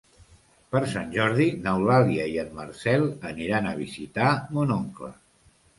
Per Sant Jordi n'Eulàlia i en Marcel aniran a visitar mon oncle.